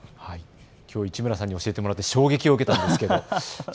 きょう市村さんに教えてもらって衝撃を受けたんです。